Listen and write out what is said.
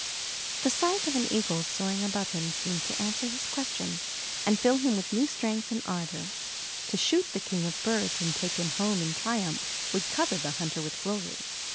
The sight of an eagle soaring above him seemed to answer his question, and fill him with new strength and ardor. To shoot the king of birds and take him home in triumph would cover the hunter with glory.